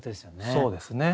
そうですね。